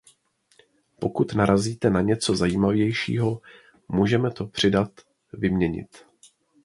Pokud narazíte na něco zajímavějšího, můžeme to přidat, vyměnit.